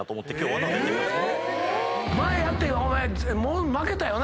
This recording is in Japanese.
前やってお前負けたよな？